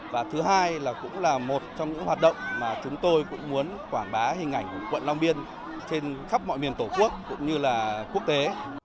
và thứ hai là cũng là một trong những hoạt động mà chúng tôi cũng muốn quảng bá hình ảnh của quận long biên trên khắp mọi miền tổ quốc cũng như là quốc tế